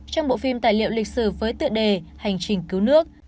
trong bộ phim tài liệu lịch sử với tựa đề hành trình cứu nước